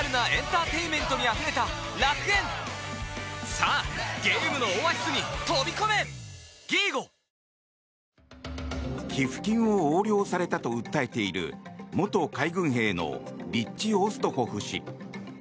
東京海上日動寄付金を横領されたと訴えている元海軍兵のリッチ・オストホフ氏。